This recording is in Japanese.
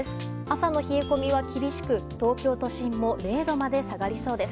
朝の冷え込みは厳しく東京都心も０度まで下がりそうです。